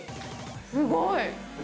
すごい！